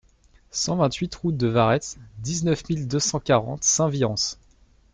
cent vingt-huit route de Varetz, dix-neuf mille deux cent quarante Saint-Viance